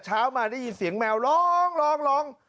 เช้ามาได้ยินเสียงแมวร้องร้องร้อง